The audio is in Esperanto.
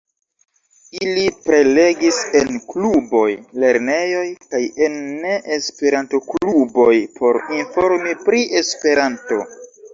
Ili prelegis en kluboj, lernejoj kaj en ne esperanto-kluboj por informi pri esperanto.